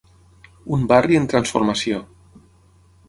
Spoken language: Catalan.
Un barri en transformació.